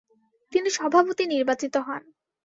তিনি সভাপতি নির্বাচিত হন।